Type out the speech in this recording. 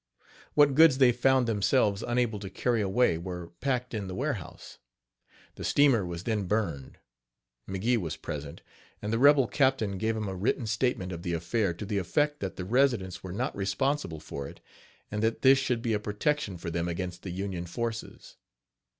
What goods they found themselves unable to carry away were packed in the warehouse. The steamer was then burned. McGee was present, and the rebel captain gave him a written statement of the affair to the effect that the residents were not responsible for it, and that this should be a protection for them against the Union forces.